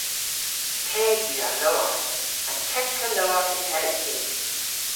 Teg yw dha lowarth. An tekka lowarth yn Hellys yw.